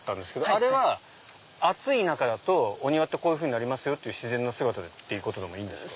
あれは暑い中だとお庭ってこうなりますよっていう自然の姿でってことですか。